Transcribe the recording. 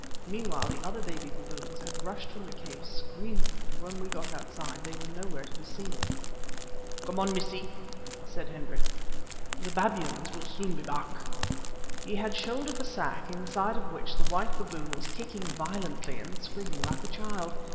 Meanwhile the other baby baboons had rushed from the cave screaming, and when we got outside they were nowhere to be seen. "'Come on, Missie,' said Hendrik; 'the babyans will soon be back.' He had shouldered the sack, inside of which the white baboon was kicking violently, and screaming like a child.